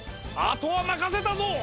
あとはまかせたぞ！